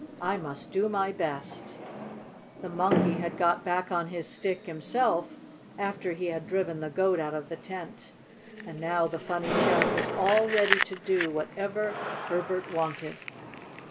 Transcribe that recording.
"I must do my best!" The Monkey had got back on his stick himself after he had driven the Goat out of the tent, and now the funny chap was all ready to do whatever Herbert wanted.